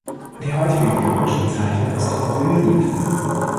Die heutige geologische Bezeichnung ist Rhyolith.